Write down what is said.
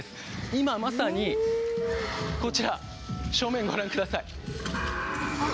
今まさにこちら、正面、ご覧ください。